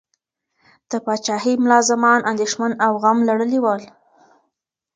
د پاچاهۍ ملازمان اندیښمن او غم لړلي ول.